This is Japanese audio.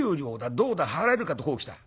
どうだ払えるかとこうきた。